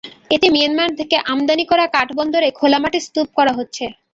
এতে মিয়ানমার থেকে আমদানি করা কাঠ বন্দরে খোলা মাঠে স্তূপ করা হচ্ছে।